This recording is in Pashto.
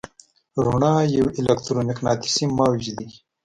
رڼا یو الکترومقناطیسي موج دی.